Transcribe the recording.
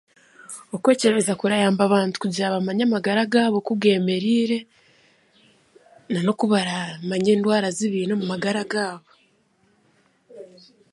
Okwekyebeza kurayamba abantu kugira ngu bamanye amagara gaabo oku g'emereire, n'anokubaraamanye endwara zi baine omu magara gaabo.